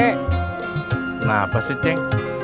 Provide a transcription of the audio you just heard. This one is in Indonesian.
kenapa sih cik